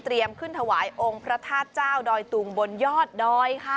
ขึ้นถวายองค์พระธาตุเจ้าดอยตุงบนยอดดอยค่ะ